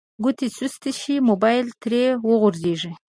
ګوتې سستې شي موبایل ترې وغورځیږي